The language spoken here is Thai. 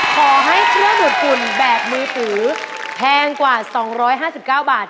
ขอให้เครื่องดูดฝุ่นแบบมือถือแพงกว่า๒๕๙บาท